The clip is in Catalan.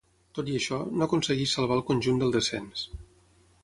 Tot i això, no aconsegueix salvar el conjunt del descens.